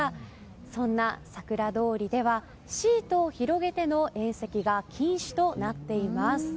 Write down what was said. そんなさくら通りではシートを広げての宴席が禁止となっています。